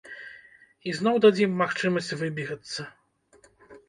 І зноў дадзім магчымасць выбегацца.